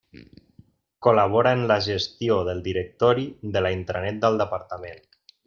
Col·labora en la gestió del directori de la intranet del Departament.